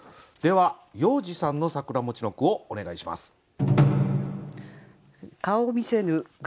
では要次さんの「桜」の句をお願いします。